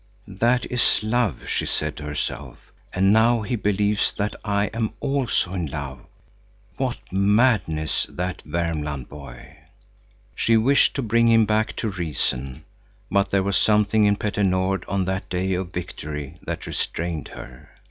"That is love," she said to herself. "And now he believes that I am also in love. What madness, that Värmland boy!" She wished to bring him back to reason, but there was something in Petter Nord on that day of victory that restrained her.